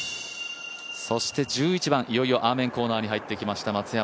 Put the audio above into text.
そして１１番、いよいよアーメンコーナーに入ってきました。